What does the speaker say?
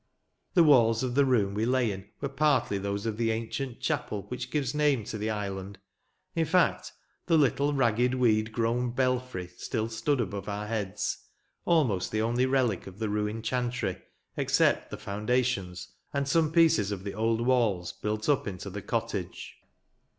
The walls of the room we lay in were partly those of the ancient chapel which gives name to the island. In fact, the little ragged weed grown belfry still stood above our heads, almost the only relic of the ruined chantry, except the foundations, and some pieces of the old walls built up into the cottage.